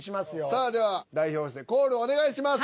さあでは代表してコールお願いします。